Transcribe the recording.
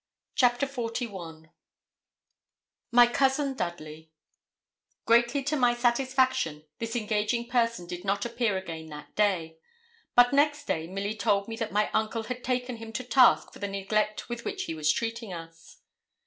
CHAPTER XLI MY COUSIN DUDLEY Greatly to my satisfaction, this engaging person did not appear again that day. But next day Milly told me that my uncle had taken him to task for the neglect with which he was treating us.